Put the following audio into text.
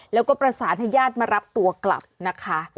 แล้วก็ประสานให้ญาติมารับตัวกลับนะคะ